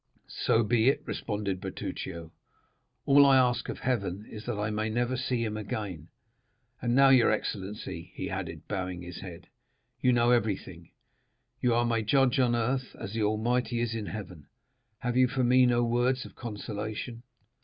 "So be it," responded Bertuccio, "all I ask of heaven is that I may never see him again. And now, your excellency," he added, bowing his head, "you know everything—you are my judge on earth, as the Almighty is in heaven; have you for me no words of consolation?"